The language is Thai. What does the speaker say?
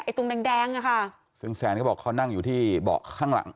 ตรงแดงแดงอะค่ะซึ่งแซนเขาบอกเขานั่งอยู่ที่เบาะข้างหลัง